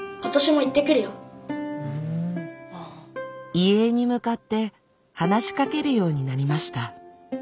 遺影に向かって話しかけるようになりました。